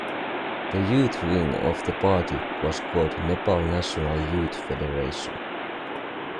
The youth wing of the party was called Nepal National Youth Federation.